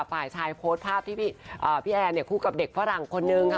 ฝ่ายชายโพสต์ภาพที่พี่แอนเนี่ยคู่กับเด็กฝรั่งคนนึงค่ะ